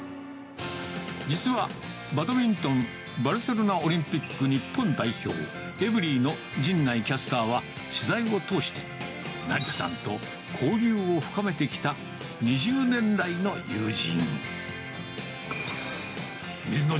実は、バトミントン、バルセロナオリンピック日本代表、エブリィの陣内キャスターは、取材を通して、成田さんと交流を深めてきた２０年来の友人。